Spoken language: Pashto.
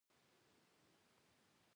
لرګي هم د سون توکي دي